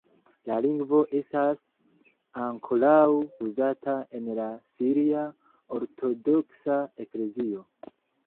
La lingvo estas ankoraŭ uzata en la siria ortodoksa eklezio.